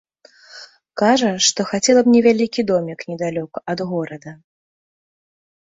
Кажа, што хацела б невялікі домік недалёка ад горада.